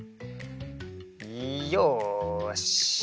よし。